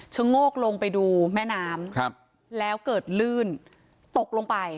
โงกลงไปดูแม่น้ำแล้วเกิดลื่นตกลงไป